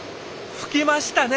吹けましたね。